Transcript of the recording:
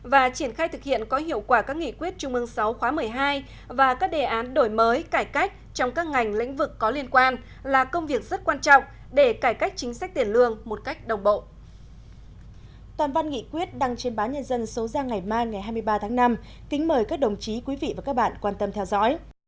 và triển khai thực hiện có hiệu quả các nghị quyết trung ương sáu khóa một mươi hai và các đề án đổi mới cải cách trong các ngành lĩnh vực có liên quan là công việc rất quan trọng để cải cách chính sách tiền lương một cách đồng bộ